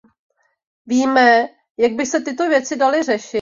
Víme, jak by se tyto věci daly řešit.